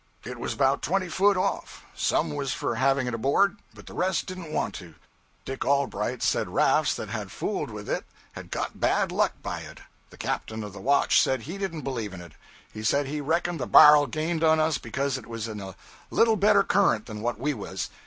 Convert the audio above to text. It was about twenty foot off. Some was for having it aboard, but the rest didn't want to. Dick Allbright said rafts that had fooled with it had got bad luck by it. The captain of the watch said he didn't believe in it. He said he reckoned the bar'l gained on us because it was in a little better current than what we was.